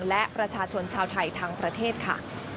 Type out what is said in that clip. และประชาชนชาวไทยทั้งประเทศค่ะ